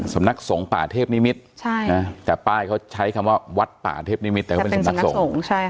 สำนักสงฆ์ป่าเทพนิมิตรแต่ป้ายเขาใช้คำว่าวัดป่าเทพนิมิตแต่เขาเป็นสำนักสงฆ์